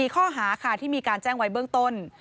๔ข้อหาค่ะที่มีการแจ้งไว้เบื้องต้น